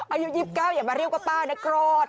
อายุหยิบเก้าอย่ามาเรียกว่าป้านะกรอด